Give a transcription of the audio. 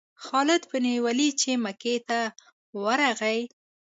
خالد بن ولید مکې ته چې ورغی.